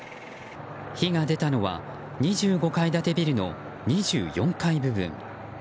火が出たのは２５階建てビルの２４階部分。